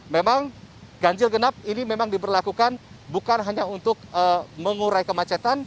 memang ganjil genap ini memang diberlakukan bukan hanya untuk mengurai kemacetan